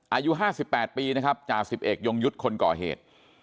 อายุห้าสิบแปดปีนะครับจาสิบเอกยงยุทธ์คนก่อเหตุ